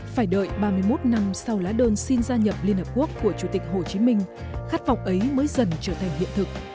phải đợi ba mươi một năm sau lá đơn xin gia nhập liên hợp quốc của chủ tịch hồ chí minh khát vọng ấy mới dần trở thành hiện thực